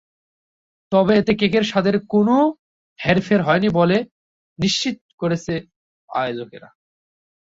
তবে এতে কেকের স্বাদের কোনো হেরফের হয়নি বলে নিশ্চিত করেছে আয়োজকেরা।